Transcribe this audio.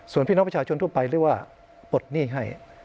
ส่วนพี่น้องประชาชนทั่วไปหรือว่าปลดหนี้ให้